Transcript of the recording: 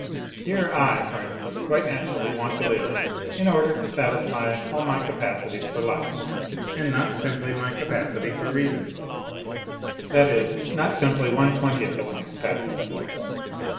Here I, for instance, quite naturally want to live, in order to satisfy all my capacities for life, and not simply my capacity for reasoning, that is. not simply one twentieth of my capacity for life.